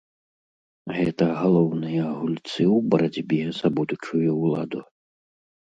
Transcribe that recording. Гэта галоўныя гульцы ў барацьбе за будучую ўладу.